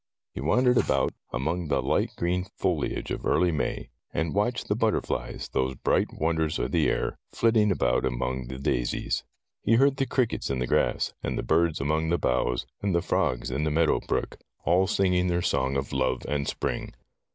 He wandered about among 7 8 Tales of Modern Germany the light green foliage of early May, and watched the butterflies, those bright won ders of the air, flitting about among the daisies. He heard the crickets in the grass, and the birds among the boughs, and the frogs in the meadow brook, all singing their song of love and spring.